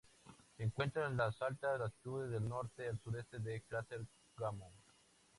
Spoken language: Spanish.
Se encuentra en las altas latitudes del norte, al sureste del cráter Gamow.